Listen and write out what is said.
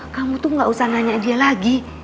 kamu tuh gak usah nanya dia lagi